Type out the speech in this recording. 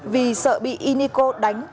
vì sợ bị y niko đánh